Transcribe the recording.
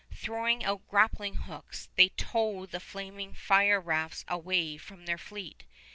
Throwing out grappling hooks, they tow the flaming fire rafts away from their fleet.